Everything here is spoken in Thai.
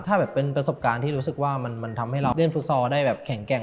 ถ้าแบบเป็นประสบการณ์ที่รู้สึกว่ามันทำให้เราเล่นฟุตซอลได้แบบแข็งแกร่ง